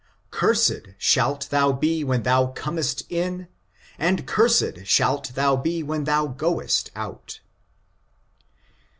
Cursed sbalt thou be when thou comest in, and cursed shalt thou be when thou goest out.''